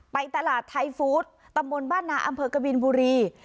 ไปตลาดไทยฟู้ดตำบลบ้านนาอำเภอกบินบุรี